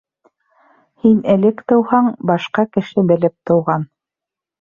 Һин элек тыуһаң, башҡа кеше белеп тыуған.